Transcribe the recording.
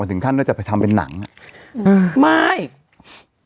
ถึงเขาจำไปทำกับฮะเปล่าถึงจะจะไปทำเป็นนัง